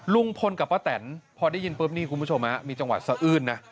ลุงพลกับป้าแตนพอได้ยินปุ๊บนี่คุณผู้ชมมีจังหวะสะอื้นนะ